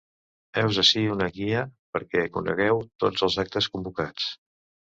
Heus ací una guia perquè conegueu tots els actes convocats.